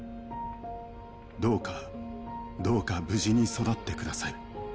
どうか、どうか無事に育ってください。